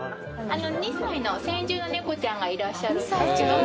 ２歳の先住の猫ちゃんがいらっしゃるんですけども。